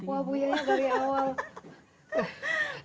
wah bu yaya dari awal